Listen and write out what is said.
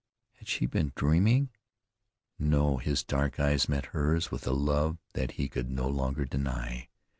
Had she been dreaming? No; his dark eyes met hers with a love that he could no longer deny.